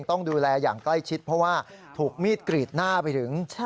ต้องดูแลอย่างใกล้ชิดเพราะว่าถูกมีดกรีดหน้าไปถึง